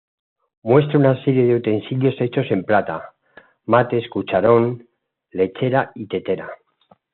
Muestra una serie de utensilios hechos en plata: mates, cucharón, lechera y tetera.